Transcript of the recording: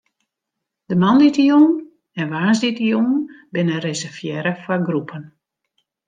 De moandeitejûn en woansdeitejûn binne reservearre foar groepen.